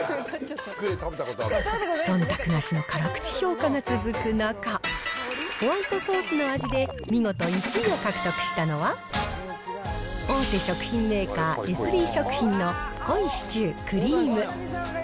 そんたくなしの辛口評価が続く中、ホワイトソースの味で見事１位を獲得したのは、大手食品メーカー、エスビー食品の濃いシチュークリーム。